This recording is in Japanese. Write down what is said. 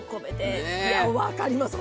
分かります。